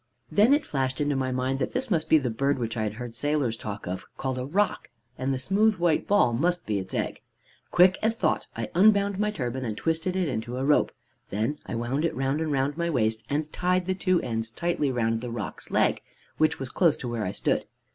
"Then it flashed into my mind that this must be the bird which I had heard sailors talk of, called a roc, and the smooth white ball must be its egg. "Quick as thought, I unbound my turban, and twisted it into a rope. Then I wound it round and round my waist, and tied the two ends tightly round the roc's leg, which was close to where I stood.